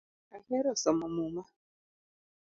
Ahero somo muma